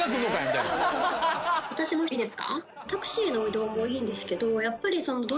私もいいですか？